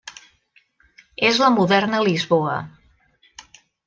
És la moderna Lisboa.